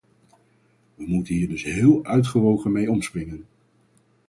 We moeten hier dus heel uitgewogen mee omspringen.